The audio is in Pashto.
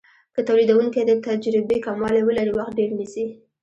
که تولیدونکی د تجربې کموالی ولري وخت ډیر نیسي.